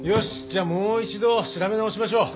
じゃあもう一度調べ直しましょう。